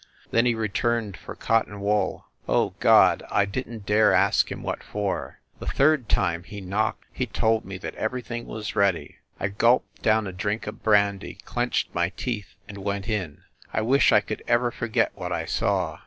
Then he returned for cotton wool ... Oh, God! ... I didn t dare ask him what for. ... The third time he knocked he told me that everything was ready. I gulped down a drink of brandy, clenched my teeth and went in. ... I wish I could ever forget what I saw.